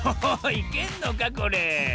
いけんのかこれ？